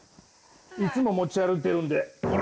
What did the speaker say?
いつも持ち歩いているんでこれ！